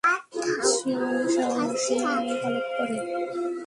সিউয়ান সাহসীরা এমন পালক পরে।